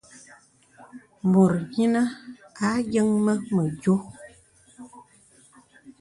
Mùt yīnə à yəŋ mə məyō.